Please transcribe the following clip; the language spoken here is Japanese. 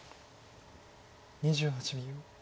２８秒。